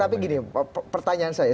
tapi gini pertanyaan saya